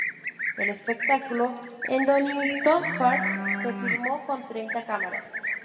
El espectáculo en Donington Park se filmó con treinta cámaras.